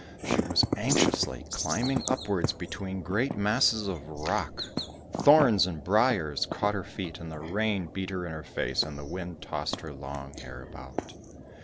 She was anxiously climbing upwards between great masses of rock; thorns and briars caught her feet, the rain beat in her face, and the wind tossed her long hair about.